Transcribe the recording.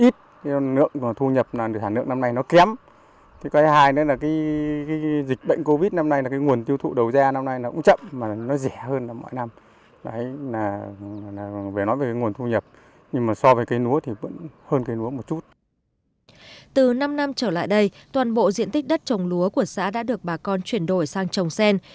từ năm năm trở lại đây toàn bộ diện tích đất trồng lúa của xã đã được bà con chuyển đổi sang trồng sen